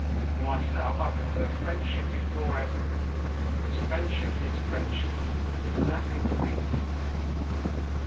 For myself I prefer friendship before everything because friendship is friendship and there's nothing to beat it."